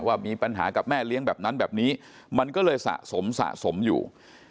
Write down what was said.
ว่ามีปัญหากับแม่เลี้ยงแบบนั้นแบบนี้มันก็เลยสะสมสะสมอยู่